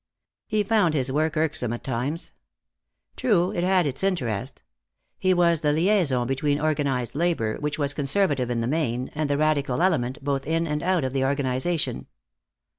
He found his work irksome at times. True, it had its interest. He was the liaison between organized labor, which was conservative in the main, and the radical element, both in and out of the organization.